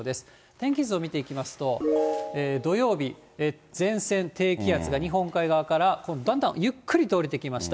天気図を見ていきますと、土曜日、前線、低気圧が日本海側からだんだんゆっくりと降りてきました。